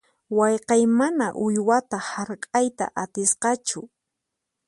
Wayqiy mana uywata hark'ayta atisqachu.